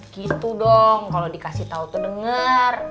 gitu dong kalo dikasih tau tuh denger